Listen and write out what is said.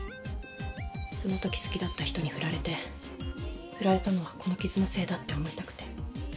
そのとき好きだった人に振られて振られたのはこの傷のせいだって思いたくて。